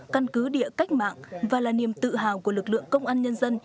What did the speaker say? căn cứ địa cách mạng và là niềm tự hào của lực lượng công an nhân dân